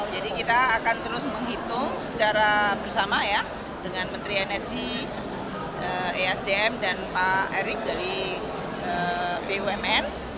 jadi kita akan terus menghitung secara bersama ya dengan menteri energi esdm dan pak erick dari bumn